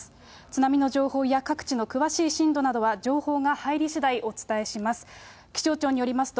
津波の情報や、各地の詳しい震度などは情報が入りしだい、お伝えします。